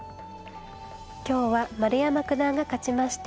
今日は丸山九段が勝ちまして